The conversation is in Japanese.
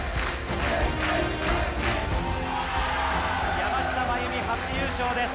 山下まゆみ、初優勝です。